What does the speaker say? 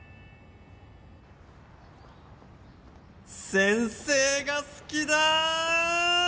先生が好きだっ！